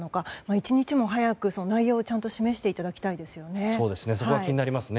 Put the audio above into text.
一日も早く内容を示していただきたいですね。